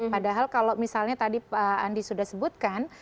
padahal kalau misalnya tadi pak andi sudah sebutkan